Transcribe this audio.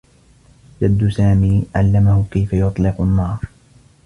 جدّ سامي علّمه كيف يطلق النّار.